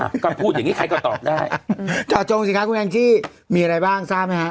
อ่าการพูดอย่างงี้ใครก็ตอบได้ตอบจงสิครับคุณมีอะไรบ้างทราบไหมฮะ